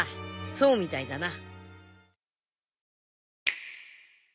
そうみたいだな。